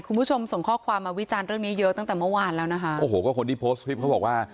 คุณผู้ชมส่งข้อความมาวิจารณ์เรื่องนี้เยอะตั้งแต่เมื่อวานแล้วนะคะโอ้โหก็คนที่โพสต์คลิปเขาบอกว่า